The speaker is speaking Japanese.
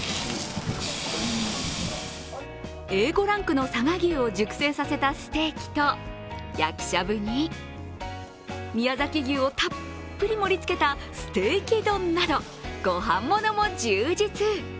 Ａ５ランクの佐賀牛を熟成させたステーキと焼きしゃぶに宮崎牛をたっぷり盛り付けたステーキ丼などご飯ものも充実。